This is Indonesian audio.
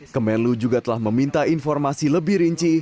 kemenlu juga telah meminta informasi lebih rinci